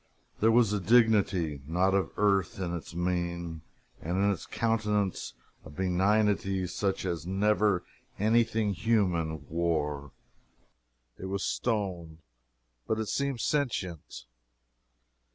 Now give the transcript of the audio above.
There was a dignity not of earth in its mien, and in its countenance a benignity such as never any thing human wore. It was stone, but it seemed sentient.